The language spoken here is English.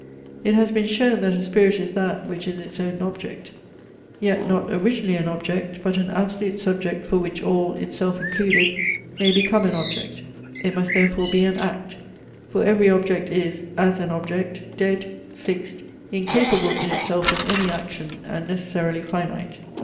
It has been shown, that a spirit is that, which is its own object, yet not originally an object, but an absolute subject for which all, itself included, may become an object. It must therefore be an ACT; for every object is, as an object, dead, fixed, incapable in itself of any action, and necessarily finite.